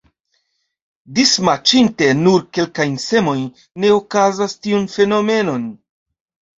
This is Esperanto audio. Dismaĉinte nur kelkajn semojn ne okazas tiun fenomenon.